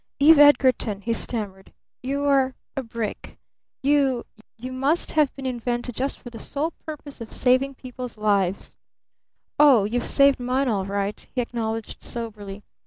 "Eve Edgarton," he stammered, "you're a brick! You you must have been invented just for the sole purpose of saving people's lives. Oh, you've saved mine all right!" he acknowledged soberly.